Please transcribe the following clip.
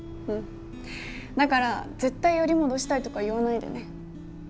だから絶対より戻したいとか言わないでね。